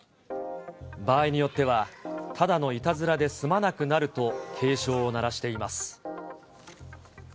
場合によっては、ただのいたずらで済まなくなると、警鐘を鳴らしています。